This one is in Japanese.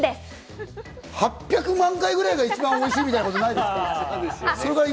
８００万回ぐらいが一番おいしいってことないですか？